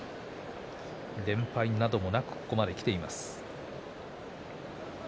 連敗などもなくここまできています。